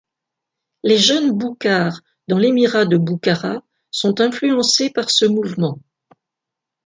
Les jeunes boukhares, dans l'Émirat de Boukhara, sont influencés par ce mouvement.